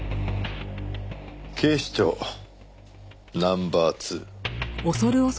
警視庁ナンバー２。